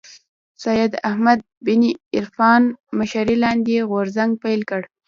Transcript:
سید احمد بن عرفان مشرۍ لاندې غورځنګ پيل کړ